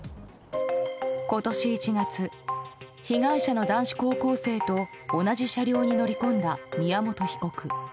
今年１月、被害者の男子高校生と同じ車両に乗り込んだ宮本被告。